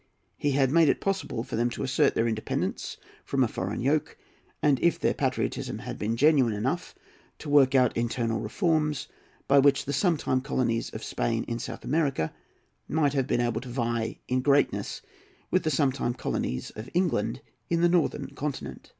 He had made it possible for them to assert their independence of a foreign yoke, and, if their patriotism had been genuine enough, to work out internal reforms, by which the sometime colonies of Spain in South America might have been able to vie in greatness with the sometime colonies of England in the northern continent.